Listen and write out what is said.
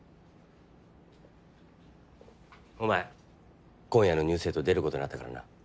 お前今夜の「ニュース８」出ることになったからな。